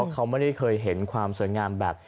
เขาไม่ได้เคยเห็นความสวยงามแบบ